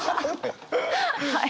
はい。